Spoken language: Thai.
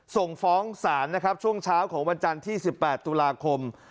ส่งฟ้องศาลนะครับช่วงเช้าของวันจันทร์ที่๑๘ตุลาคม